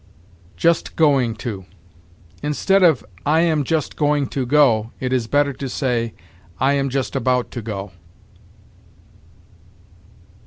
JUST GOING TO. Instead of "I am just going to go," it is better to say, "I am just about to go."